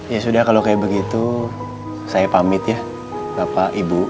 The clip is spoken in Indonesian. ya sudah kalau kayak begitu saya pamit ya bapak ibu